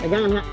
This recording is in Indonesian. eh jangan mbak